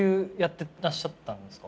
てらっしゃったんですか？